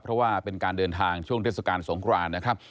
เพราะว่าเป็นการเดินทางช่วงเทศกาลสงครานนะครับ